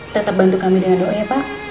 tetap bantu kami dengan doa ya pak